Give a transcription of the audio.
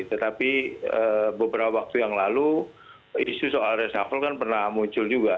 tetapi beberapa waktu yang lalu isu soal reshuffle kan pernah muncul juga